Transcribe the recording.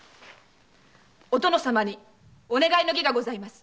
お殿様にお願いの儀がございます